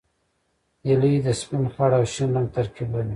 هیلۍ د سپین، خړ او شین رنګ ترکیب لري